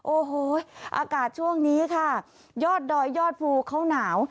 โอ้โหอากาศช่วงนี้ค่ะยอดดอยยอดภูเขาหนาว